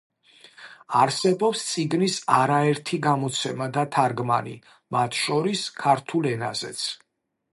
არსებობს წიგნის არაერთი გამოცემა და თარგმანი, მათ შორის ქართულ ენაზეც.